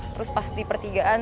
terus pas di pertigaan